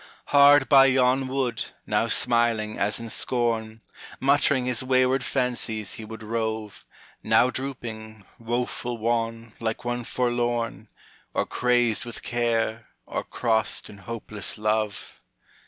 "Hard by yon wood, now smiling as in scorn, Muttering his wayward fancies he would rove; Now drooping, woful wan, like one forlorn. Or crazed with care, or crossed in hopeless love.